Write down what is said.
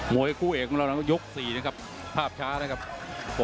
วยคู่เอกของเรานั้นยก๔นะครับภาพช้านะครับ